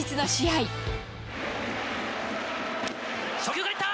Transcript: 初球からいった。